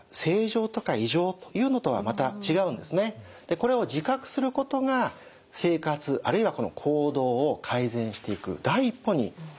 これを自覚することが生活あるいは行動を改善していく第一歩になります。